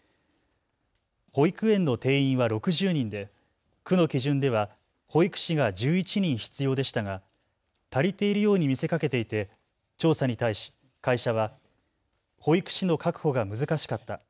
保育園の定員は６０人で区の基準では保育士が１１人必要でしたが足りているように見せかけていて調査に対し会社は保育士の確保が難しかった。